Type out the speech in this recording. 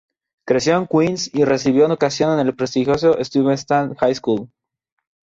Creció en Queens y recibió educación en el prestigioso Stuyvesant High School.